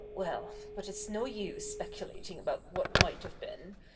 well, but it's no use speculating about what might have been.